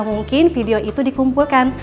mungkin video itu dikumpulkan